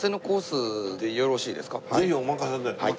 ぜひおまかせで。